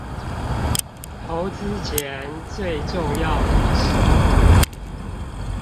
投資前最重要的事